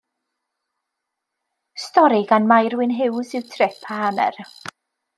Stori gan Mair Wynn Hughes yw Trip a Hanner.